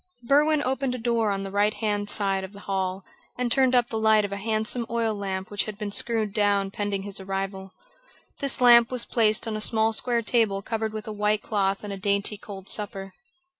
Berwin opened a door on the right hand side of the hall and turned up the light of a handsome oil lamp which had been screwed down pending his arrival. This lamp was placed on a small square table covered with a white cloth and a dainty cold supper.